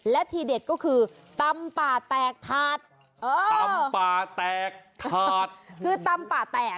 และทีเด็ดก็คือตำป่าแตกถาดตำป่าแตกถาดคือตำป่าแตก